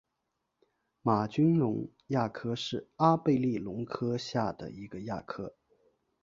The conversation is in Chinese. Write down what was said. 玛君龙亚科是阿贝力龙科下的一个亚科。